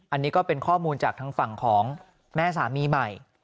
อันนี้ก็เป็นข้อมูลจากทางฝั่งของแม่สามีใหม่